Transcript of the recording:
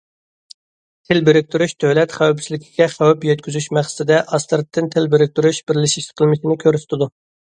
‹‹ تىل بىرىكتۈرۈش›› دۆلەت خەۋپسىزلىكىگە خەۋپ يەتكۈزۈش مەقسىتىدە ئاستىرتىن تىل بىرىكتۈرۈش، بىرلىشىش قىلمىشىنى كۆرسىتىدۇ.